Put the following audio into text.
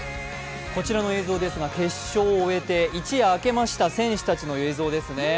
こちらの映像ですが決勝を終えて一夜明けました選手たちの映像ですね。